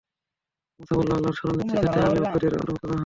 মূসা বলল, আল্লাহর শরণ নিচ্ছি যাতে আমি অজ্ঞদের অন্তর্ভুক্ত না হই।